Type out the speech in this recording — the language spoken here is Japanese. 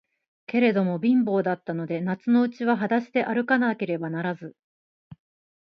けれども、貧乏だったので、夏のうちははだしであるかなければならず、